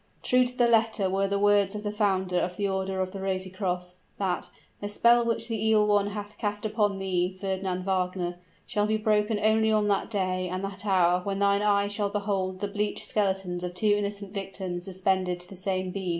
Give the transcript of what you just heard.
True to the letter were the words of the founder of the order of the Rosy Cross, that "the spell which the Evil One hath cast upon thee, Fernand Wagner, shall be broken only on that day and that hour when thine eyes shall behold the bleached skeletons of two innocent victims suspended to the same beam."